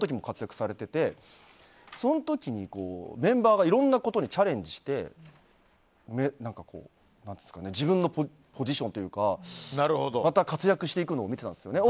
その時にメンバーがいろんなことにチャレンジして自分のポジションというかまた活躍していくのを見ていたんですよね。